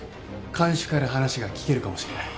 看守から話が聞けるかもしれない。